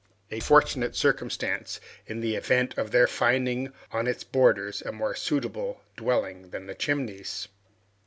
A fortunate circumstance, in the event of their finding on its borders a more suitable dwelling than the Chimneys.